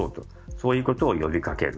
そういうことを呼び掛ける。